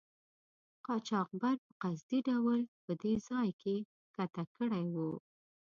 قاچاقبر په قصدي ډول په دې ځای کې ښکته کړي وو.